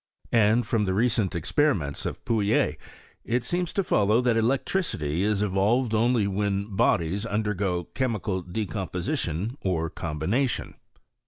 And, from the recent experiments of Ponillet, it seems to follow that electricity is evolved only when bodies undct^o chemical decomposition or combina tion.